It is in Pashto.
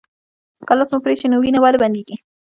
که لاس مو پرې شي نو وینه ولې بندیږي